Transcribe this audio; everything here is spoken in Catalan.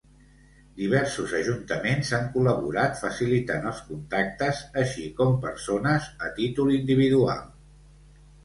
Diversos ajuntaments han col·laborat facilitant els contactes, així com persones a títol individual.